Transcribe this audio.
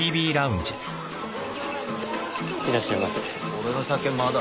俺の酒まだ？